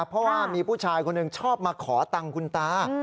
เพราะว่ามีผู้ชายคนหนึ่งชอบมาขอตังค์คุณตา